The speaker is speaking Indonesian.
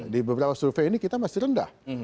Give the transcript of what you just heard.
di beberapa survei ini kita masih rendah